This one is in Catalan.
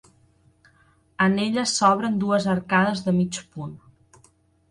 En elles s'obren dues arcades de mig punt.